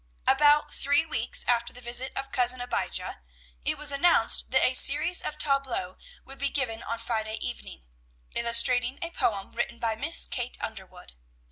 About three weeks after the visit of Cousin Abijah, it was announced that a series of tableaux would be given on Friday evening, illustrating a poem written by Miss Kate Underwood.